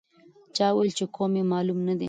چا وویل چې قوم یې معلوم نه دی.